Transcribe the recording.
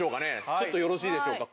ちょっとよろしいでしょうか？